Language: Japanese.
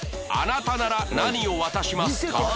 あなたなら何を渡しますか？